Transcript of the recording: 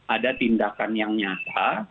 ada tindakan yang nyata